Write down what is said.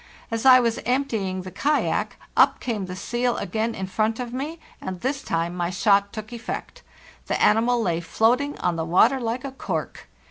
As I was emptying the kayak, up came the seal again in front of me, and this time my shot took effect; the animal lay floating on the water like a cork.